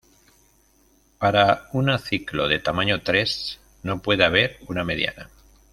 Para una ciclo de tamaño tres, no puede haber una mediana.